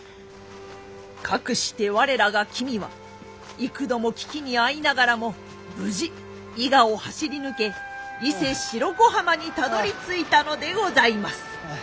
かくして我らが君は幾度も危機に遭いながらも無事伊賀を走り抜け伊勢・白子浜にたどりついたのでございます。